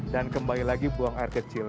dan kembali lagi buang air kecil